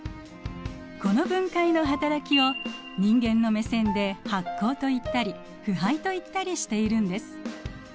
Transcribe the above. この分解の働きを人間の目線で発酵といったり腐敗といったりしているんです。